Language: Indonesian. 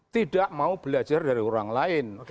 tidak mau belajar dari orang lain